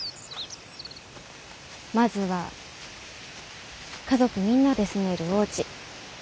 まずは家族みんなで住めるおうち。